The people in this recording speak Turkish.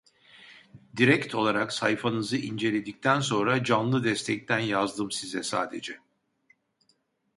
Direkt olarak sayfanızı inceledikten sonra canlı destekten yazdım size sadece